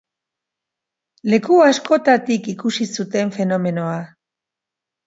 Leku askotatik ikusi zuten fenomenoa.